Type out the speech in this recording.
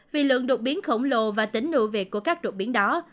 vì lượng đột biến khổng lồ và tính uv của các đột biến đó